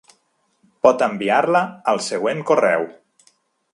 Pot enviar-la al següent correu:.